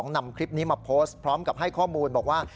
นำคลิปนี้มาโพสต์พร้อมกับให้ข้อมูลบอกว่า